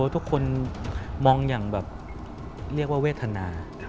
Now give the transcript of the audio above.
ทุกคนมองอย่างแบบเรียกว่าเวทนา